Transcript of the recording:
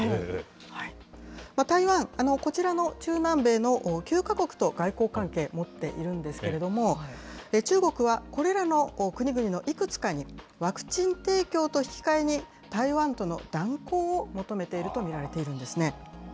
台湾、こちらの中南米の９か国と外交関係持っているんですけれども、中国は、これらの国々のいくつかに、ワクチン提供と引き換えに、台湾との断交を求めていると見られているんですね。